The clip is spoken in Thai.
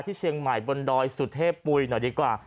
ที่เชียงใหม่บนดอยสุเทพปุ๋ยหน่อยดีกว่า